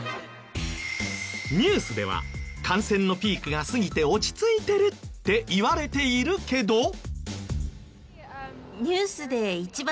ニュースでは感染のピークが過ぎて落ち着いてるって言われているけど。